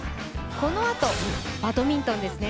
このあと、バドミントンですね。